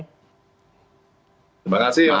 terima kasih mas